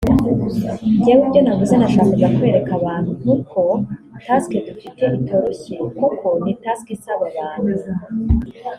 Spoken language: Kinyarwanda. “Njyewe ibyo navuze nashakaga kwereka abantu ko task dufite itoroshye…kuko ni task isaba abantu